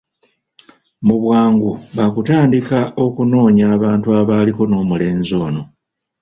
Mu bwangu baakutandika okunoonya abantu abaaliko n'omulenzi ono.